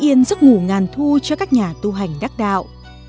vườn tháp được xây dựng bằng ngàn thu cho các nhà tu hành đắc đạo